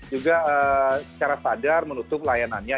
juga secara sadar menutup layanannya